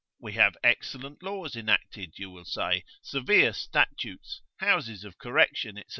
We have excellent laws enacted, you will say, severe statutes, houses of correction, &c.